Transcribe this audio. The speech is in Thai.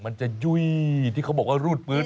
อยู่้ยที่เค้าบอกว่ารูดปื๊ด